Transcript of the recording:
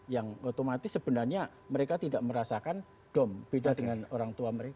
yang otomatis sebenarnya mereka tidak merasakan dom beda dengan orang tua mereka